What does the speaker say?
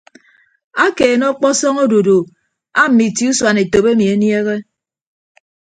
Akeene ọkpọsọñ odudu aamme itie usuan etop emi eniehe.